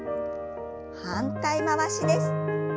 反対回しです。